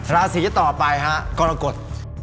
ราศีต่อไปฮะกรกฎ